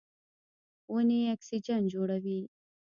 ونې اکسیجن جوړوي.